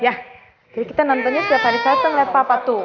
ya jadi kita nontonnya setiap hari saya ngeliat papa tuh